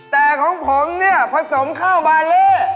แต่ของผมผสมแบบเท่ากะโรห้อย